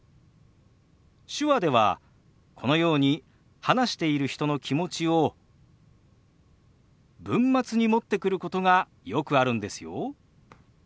手話ではこのように話している人の気持ちを文末に持ってくることがよくあるんですよ。